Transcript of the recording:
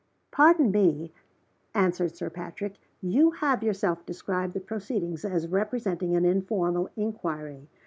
"Pardon me," answered Sir Patrick. "You have yourself described the proceedings as representing an informal inquiry.